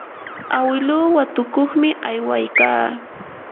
awiluu watukuqmi aywaykaa.